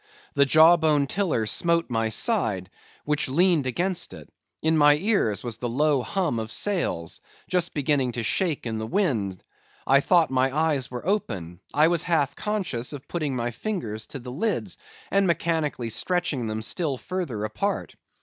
The jaw bone tiller smote my side, which leaned against it; in my ears was the low hum of sails, just beginning to shake in the wind; I thought my eyes were open; I was half conscious of putting my fingers to the lids and mechanically stretching them still further apart.